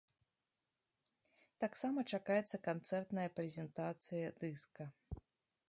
Таксама чакаецца канцэртная прэзентацыя дыска.